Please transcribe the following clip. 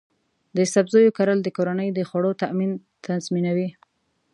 د سبزیو کرل د کورنۍ د خوړو تامین تضمینوي.